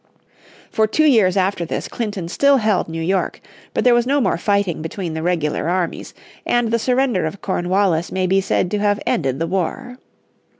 For two years after this Clinton still held New York, but there was no more fighting between the regular armies, and the surrender of Cornwallis may be said to have ended the war.